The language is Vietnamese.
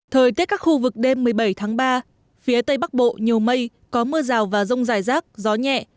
thời tiết các khu vực đêm một mươi bảy tháng ba phía tây bắc bộ nhiều mây có mưa rào và rông dài rác gió nhẹ